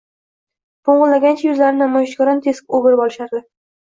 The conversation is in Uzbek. Po’ng’illagancha yuzlarini namoyishkorona ters o’girib olishardi.